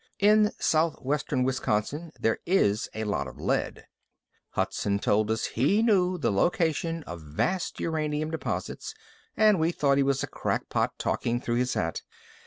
In southwestern Wisconsin, there is a lot of lead. Hudson told us he knew the location of vast uranium deposits and we thought he was a crackpot talking through his hat.